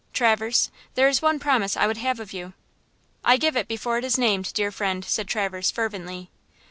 Traverse, there is one promise I would have of you." "I give it before it is named, dear friend," said Traverse, fervently.